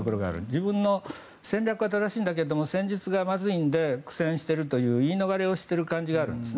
自分の戦略が正しいんだけど戦術がまずいので苦戦しているという言い逃れをしている感じがあるんです。